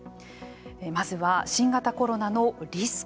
まずは、新型コロナのリスク。